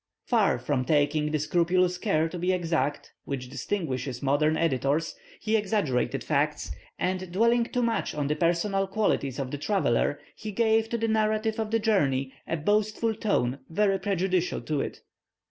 Far from taking the scrupulous care to be exact which distinguishes modern editors, he exaggerated facts; and, dwelling too much on the personal qualities of the traveller, he gave to the narrative of the journey a boastful tone very prejudicial to it.